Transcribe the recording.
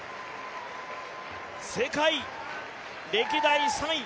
世界歴代３位。